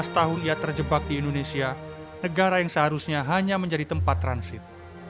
lima belas tahun ia terjebak di indonesia negara yang seharusnya hanya menjadi tempat transit